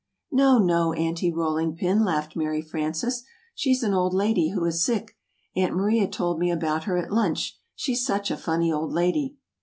"No, no, Aunty Rolling Pin," laughed Mary Frances; "she's an old lady who is sick. Aunt Maria told me about her at lunch. She's such a funny old lady."